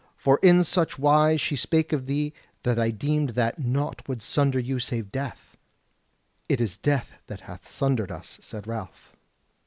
For in such wise she spake of thee, that I deemed that naught would sunder you save death." "It is death that hath sundered us," said Ralph.